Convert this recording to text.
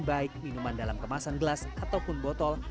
baik minuman dalam kemasan gelas ataupun botol